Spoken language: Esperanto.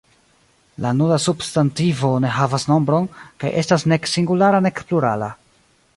La nuda substantivo ne havas nombron, kaj estas nek singulara nek plurala.